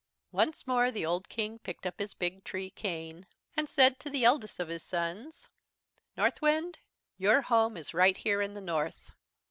"Once more the old King picked up his big tree cane, and said to the eldest of his sons: "'Northwind, your home is right here in the North.'